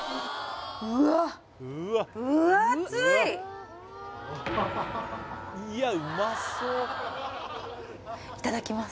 うわっいただきます